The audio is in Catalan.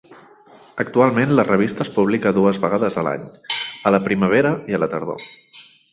Actualment la revista es publica dues vegades a l'any, a la primavera i la tardor.